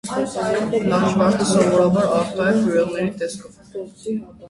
Լաջվարդը սովորաբար առկա է բյուրեղների տեսքով։